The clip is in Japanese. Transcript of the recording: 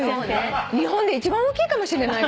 日本で一番大きいかもしれない。